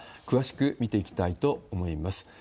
詳しく見ていきたいと思います。